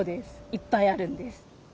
いっぱいあるんです。